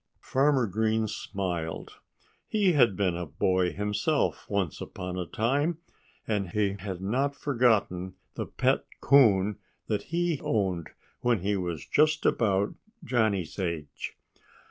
Farmer Green smiled. He had been a boy himself, once upon a time, and he had not forgotten the pet coon that he had owned when he was just about Johnnie's age.